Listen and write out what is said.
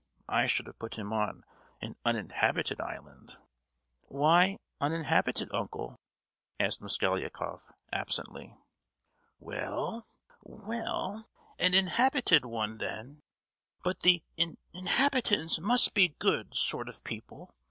I should have put him on an uninhabited island." "Why uninhabited, uncle?" asked Mosgliakoff, absently. "Well, well, an inhabited one, then; but the in—habitants must be good sort of people.